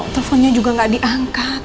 teleponnya juga gak diangkat